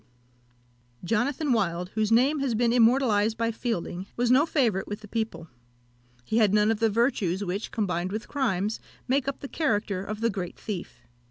Jonathan Wild, whose name has been immortalised by Fielding, was no favourite with the people. He had none of the virtues which, combined with crimes, make up the character of the great thief.